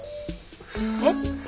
えっ？